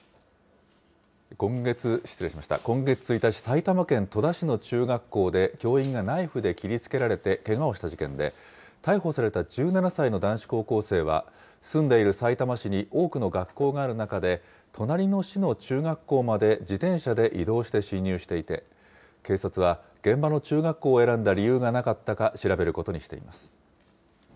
今月１日、戸田市の中学校で教員がナイフで切りつけられてけがをした事件で、逮捕された１７歳の男子高校生は、住んでいるさいたま市に多くの学校がある中で、隣の市の中学校まで自転車で移動して侵入していて、警察は、現場の中学校を選んだ理由がなかったか、調べることにしています。